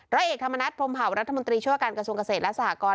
ร้อยเอกธรรมนัฐพรมเผารัฐมนตรีช่วยว่าการกระทรวงเกษตรและสหกร